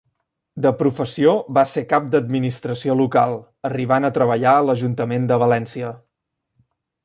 De professió va ser cap d'administració local, arribant a treballar a l'ajuntament de València.